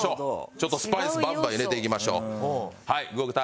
ちょっとスパイスバンバン入れていきましょう。